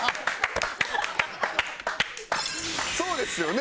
そうですよね。